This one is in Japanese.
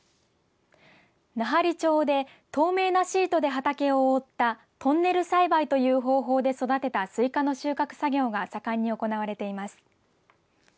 奈半利町で透明なシートで畑を覆ったトンネル栽培という方法で育てたスイカの収穫作業が盛んに行われています。